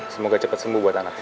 semoga cepat sembuh buat anaknya